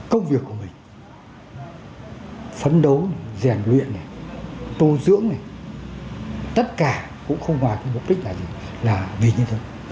công việc của mình phấn đấu rèn luyện này tu dưỡng này tất cả cũng không ngoài cái mục đích là gì là vì nhân dân